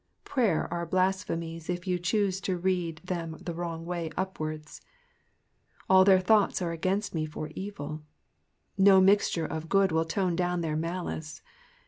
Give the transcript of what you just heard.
Prayers are blasphemies if you choose to read them the wronff way upwards. J.W their thoughts are against me for etiV No mixture ol good will tone down their malice.